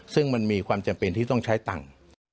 ซึ่งมันมีความจำเป็นที่ต้องใช้ตังค์